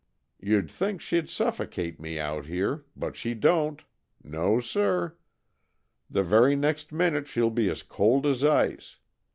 You'd think she'd suffocate me out of here, but she don't. No, sir. The very next minute she'll be as cold as ice.